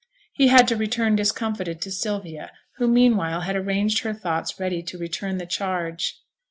He had to return discomfited to Sylvia, who meanwhile had arranged her thoughts ready to return to the charge.